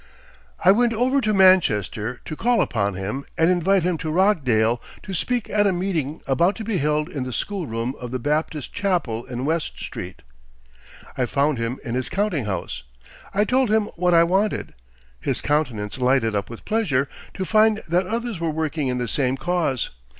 I went over to Manchester to call upon him and invite him to Rochdale to speak at a meeting about to be held in the school room of the Baptist chapel in West Street. I found him in his counting house. I told him what I wanted. His countenance lighted up with pleasure to find that others were working in the same cause.